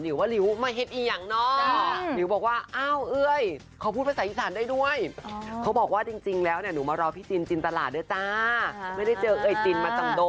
ริวว่าริวไม่เห็นอีกอย่างเนาะ